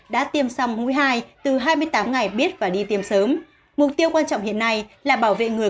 đã tiêm xong mũi hai từ hai mươi tám ngày biết và đi tiêm sớm mục tiêu quan trọng hiện nay là bảo vệ người